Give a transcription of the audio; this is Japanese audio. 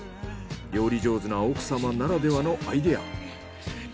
料理上手な奥様ならではのアイデア。